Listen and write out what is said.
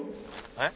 えっ？